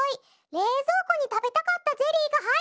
れいぞうこにたべたかったゼリーがはいってる。